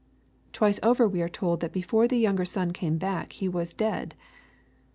Twice over we are told that before the younger son came back he was " dead."